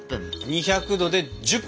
２００℃で１０分。